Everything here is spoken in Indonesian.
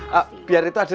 biar itu ada dikasihanmu